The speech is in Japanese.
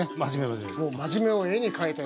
もう真面目を絵に描いたような。